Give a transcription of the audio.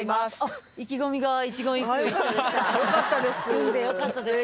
組んでよかったです。